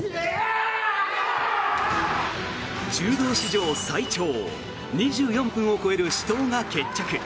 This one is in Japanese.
柔道史上最長２４分を超える死闘が決着。